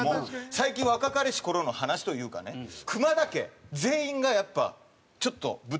最近若かりし頃の話というかねくまだ家全員がやっぱちょっとぶっとんでるというか。